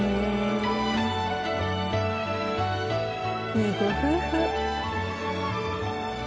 いいご夫婦。